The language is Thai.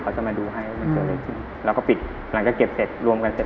จะมาดูให้ว่ามันเกิดอะไรขึ้นแล้วก็ปิดหลังจากเก็บเสร็จรวมกันเสร็จ